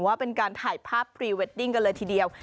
ว่าเป็นการถ่ายภาพพรีเวดดิ้งกันเลยทีเดียว